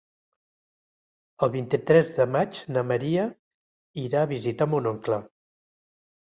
El vint-i-tres de maig na Maria irà a visitar mon oncle.